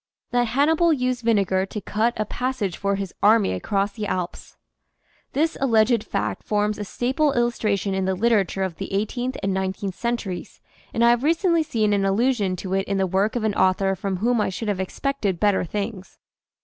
196 THAT HANNIBAL USED VINEGAR TO CUT A PAS SAGE FOR HIS ARMY ACROSS THE ALPS HIS alleged fact forms a staple illustration in the literature of the eighteenth and nineteenth cen turies, and I have recently seen an allusion to it in the work of an author from whom I should have expected better things.